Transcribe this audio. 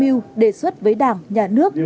mưu đề xuất với đảng nhà nước